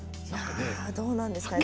どうなんですかね。